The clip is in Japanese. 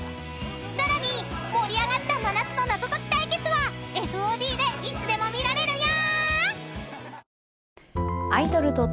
［さらに盛り上がった真夏の謎解き対決はＦＯＤでいつでも見られるよ］